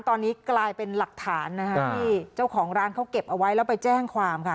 ตอนนี้กลายเป็นหลักฐานนะคะที่เจ้าของร้านเขาเก็บเอาไว้แล้วไปแจ้งความค่ะ